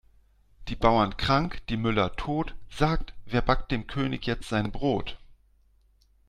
Die Bauern krank, die Müller tot, sagt wer backt dem König jetzt sein Brot?